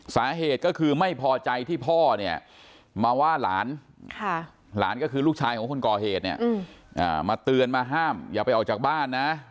สาเหตุก็คือไม่พอใจที่พ่อนี่มาว่าหลานก็คือลูกชายของคนกรเฮทมาเตือนมาห้ามอย่าไปเอาจากบ้านนะ